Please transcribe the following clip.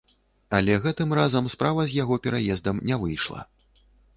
Але гэтым разам справа з яго пераездам не выйшла.